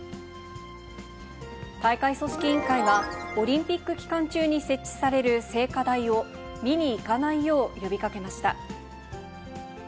大会組織委員会は、オリンピック期間中に設置される聖火台を見に行かないよう呼びかけました。